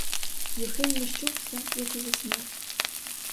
Юхим незчувся, як і заснув.